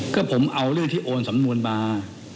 ก็ผมเอาเรื่องที่โอนสำนวนมา